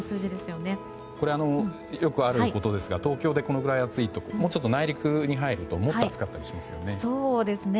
よくあることですが東京でこのぐらい暑いともうちょっと内陸に入るともっと暑かったりしますよね。